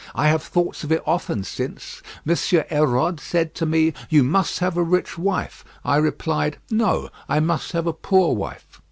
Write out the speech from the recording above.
I have thought of it often since. M. Hérode said to me, you must have a rich wife. I replied no, I must have a poor wife.